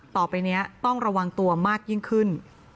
ต่อไปนี้ต้องระวังตัวมากยิ่งขึ้น